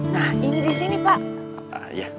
nah ini di sini pak